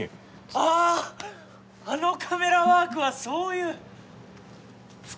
ああ、あのカメラワークはそういう、深い。